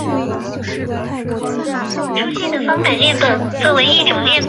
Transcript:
现效力于西甲球队塞维利亚。